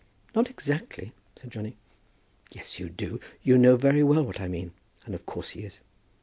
"Not exactly," said Johnny. "Yes, you do; you know very well what I mean. And of course he is.